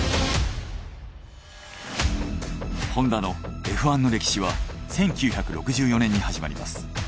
ホンダのＦ１の歴史は１９６４年に始まります。